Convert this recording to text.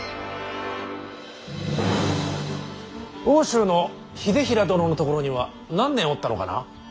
奥州の秀衡殿のところには何年おったのかな。